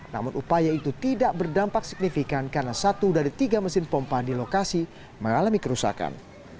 namun upaya itu tidak berdampak signifikan karena satu dari tiga mesin pompa di lokasi mengalami kerusakan